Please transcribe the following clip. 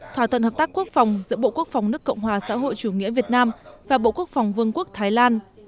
thỏa thuận hợp tác quốc phòng giữa bộ quốc phòng nước cộng hòa xã hội chủ nghĩa việt nam và bộ quốc phòng vương quốc thái lan